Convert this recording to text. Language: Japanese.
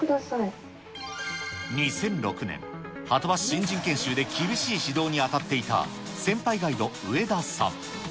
２００６年、はとバス新人研修で厳しい指導に当たっていた、先輩ガイド、植田さん。